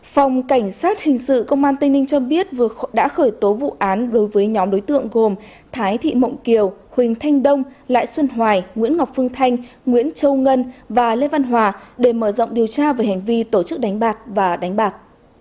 phòng cảnh sát hình sự công an tây ninh cho biết vừa khởi tố vụ án đối với nhóm đối tượng gồm thái thị mộng kiều huỳnh thanh đông lại xuân hoài nguyễn ngọc phương thanh nguyễn châu ngân và lê văn hòa để mở rộng điều tra về hành vi tổ chức đánh bạc và đánh bạc